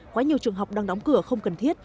quá nhiều trường học đang đóng cửa không cần thiết